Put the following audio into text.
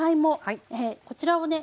こちらをね